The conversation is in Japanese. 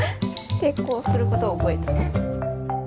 抵抗することを覚えたね。